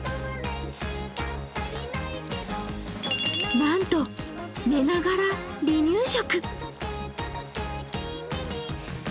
なんと寝ながら離乳食。